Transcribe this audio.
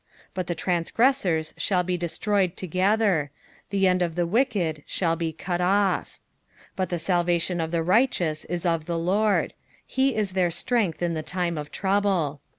38 But the transgressors shall be destroyed together ; the end of the wicked shall be cut off. 39 But the salvation of the righteous w of the Lord j he is their strength in the time of trouble.